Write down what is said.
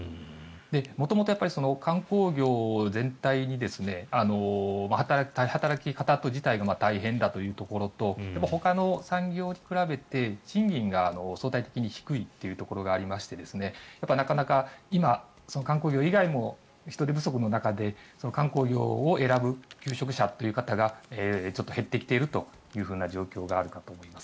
元々、観光業全体が働き方自体が大変だというところとほかの産業に比べて賃金が相対的に低いというところがありましてなかなか今、観光業以外も人手不足の中で観光業を選ぶ求職者という方がちょっと減ってきているという状況があるかと思います。